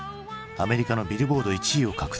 アメリカのビルボード１位を獲得。